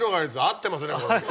合ってますね。